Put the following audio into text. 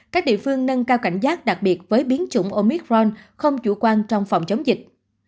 các địa phương nâng cao cảnh giác đặc biệt với biến chủng omicron không chủ quan trong phòng chống dịch